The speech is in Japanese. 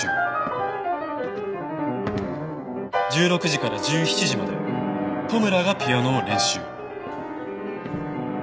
１６時から１７時まで戸村がピアノを練習。